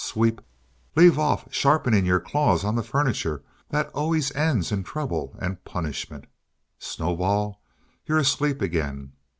Sweep! leave off sharpening your claws on the furniture; that always ends in trouble and punishment. Snowball! you're asleep again!